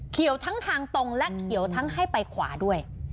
ทั้งทางตรงและเขียวทั้งให้ไปขวาด้วย